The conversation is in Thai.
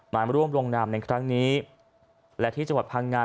มาร่วมลงนามในครั้งนี้และที่จังหวัดพังงา